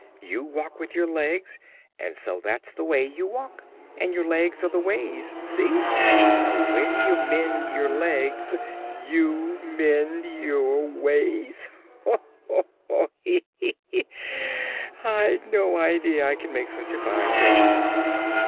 You walk with your legs, and so that's the way you walk, and your legs are the ways. See? So, when you mend your legs, you mend your ways. Ho, ho, ho! hee, hee! I'd no idea I could make such a fine joke!"